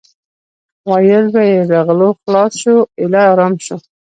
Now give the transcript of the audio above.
ویل به یې له غلو خلاص شو ایله ارام شو.